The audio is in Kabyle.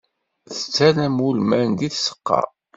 Tettalem ulman deg tzeqqa.